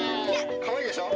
かわいいでしょ？